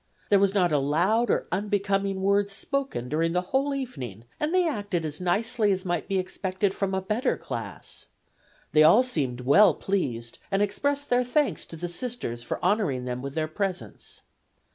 There was not a loud or unbecoming word spoken during the whole evening, and they acted as nicely as might be expected from a better class. They all seemed well pleased, and expressed their thanks to the Sisters for honoring them with their presence.